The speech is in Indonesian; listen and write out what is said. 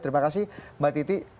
terima kasih mbak titi